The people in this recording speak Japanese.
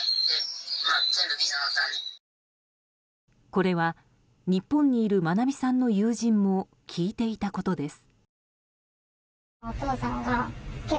これは、日本にいる愛美さんの友人も聞いていたことです。